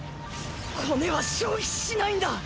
骨は消費しないんだ！！